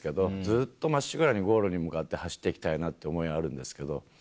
ずっとまっしぐらにゴールに向かって走っていきたいなって思いはあるんですけど。